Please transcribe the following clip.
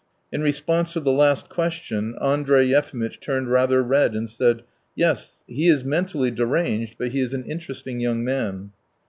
In response to the last question Andrey Yefimitch turned rather red and said: "Yes, he is mentally deranged, but he is an interesting young man."